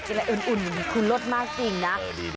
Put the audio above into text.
อะไรอุ่นคือรสมากจริงนะ